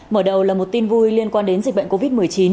mở đầu là một tin vui liên quan đến dịch bệnh covid một mươi chín